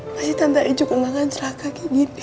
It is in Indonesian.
masih tante iju kemahkan celaka kayak gini